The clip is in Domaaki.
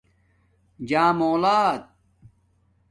جام الات